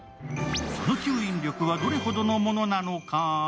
その吸引力はどれほどのものなのか。